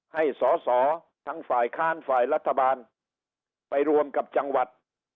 ให้สอสอทั้งฝ่ายค้านฝ่ายรัฐบาลไปรวมกับจังหวัด